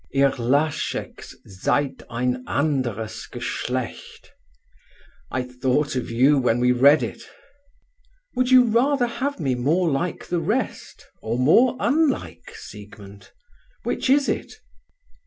'Ihr Lascheks seid ein anderes Geschlecht.' I thought of you when we read it." "Would you rather have me more like the rest, or more unlike, Siegmund? Which is it?"